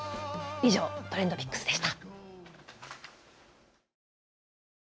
以上、ＴｒｅｎｄＰｉｃｋｓでした。